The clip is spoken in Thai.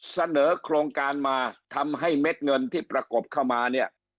เสนอโครงการมาทำให้เม็ดเงินที่ประกบเข้ามาเนี่ย